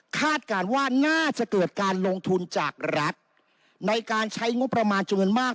การว่าน่าจะเกิดการลงทุนจากรัฐในการใช้งบประมาณจำนวนมาก